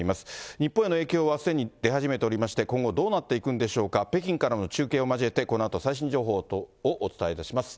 日本への影響はすでに出始めておりまして、今後、どうなっていくんでしょうか、北京からの中継を交えて、このあと最新情報をお伝えいたします。